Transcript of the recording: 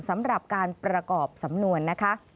สำหรับการประกอบสำนวนนะคะ